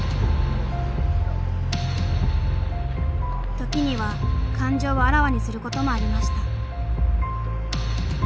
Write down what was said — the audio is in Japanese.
時には感情をあらわにすることもありました。